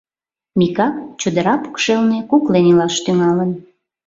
Микак чодыра покшелне куклен илаш тӱҥалын.